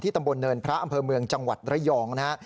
ตำบลเนินพระอำเภอเมืองจังหวัดระยองนะฮะ